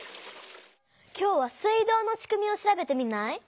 今日は水道のしくみを調べてみない？